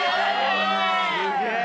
すげえ！